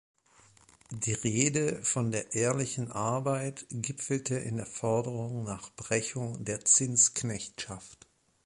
Die Rede von der „ehrlichen Arbeit“ gipfelte in der Forderung nach Brechung der Zinsknechtschaft.